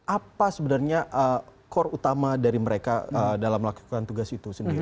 apa sebenarnya core utama dari mereka dalam melakukan tugas itu sendiri